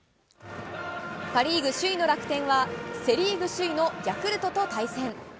パ・リーグ首位の楽天は、セ・リーグ首位のヤクルトと対戦。